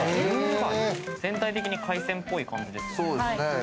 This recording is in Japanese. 全体的に海鮮っぽい感じですね。